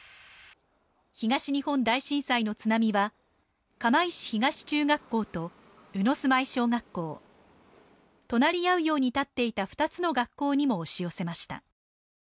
東日本大震災の津波は釜石東中学校と鵜住居小学校、隣り合うように建っていた２つの学校にも押し寄せました。